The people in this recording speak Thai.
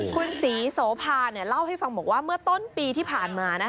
คุณศรีโสภาเล่าให้ฟังบอกว่าเมื่อต้นปีที่ผ่านมา